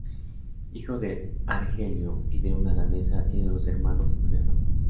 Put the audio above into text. Hijo de un argelino y de una danesa, tiene dos hermanos y una hermana.